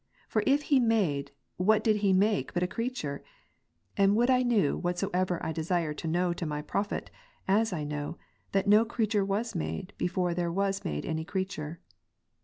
For if He made, what did He make but a creature ? And would I knew whatsoever T desire to know to my profit, as I know, that no creature was made, before there was made any creature.